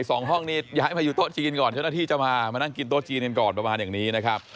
สองห้องนี้ย้ายมาอยู่โต๊ะจีนก่อนเจ้าหน้าที่จะมามานั่งกินโต๊ะจีนกันก่อนประมาณอย่างนี้นะครับ